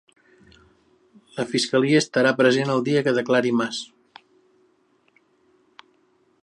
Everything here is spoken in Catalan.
La fiscalia estarà present el dia que declari Mas